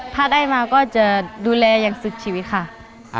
ถ้าได้มาก็จะดูแลอย่างสุดชีวิตค่ะ